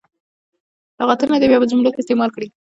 لغتونه دې بیا په جملو کې استعمال کړي.